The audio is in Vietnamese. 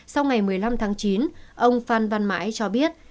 sau ngày một mươi năm tháng chín ông phan văn mãi cho biết